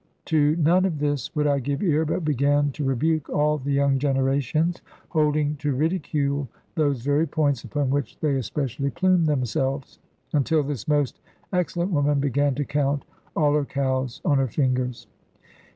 To none of this would I give ear, but began to rebuke all the young generations, holding to ridicule those very points upon which they especially plume themselves, until this most excellent woman began to count all her cows on her fingers.